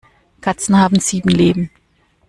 Katzen haben sieben Leben.